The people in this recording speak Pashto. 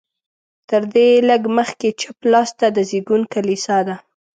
تر دې لږ مخکې چپ لاس ته د زېږون کلیسا ده.